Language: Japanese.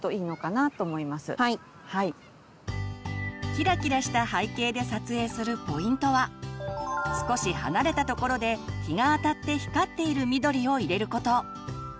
キラキラした背景で撮影するポイントは少し離れたところで日があたって光っている緑を入れること。